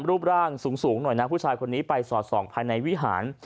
รูปร่างสูงหน่อยนะผู้ชายคนนี้ไปสอดส่องภายในวิหาร